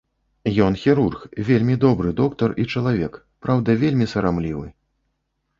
Ён хірург, вельмі добры доктар і чалавек, праўда вельмі сарамлівы.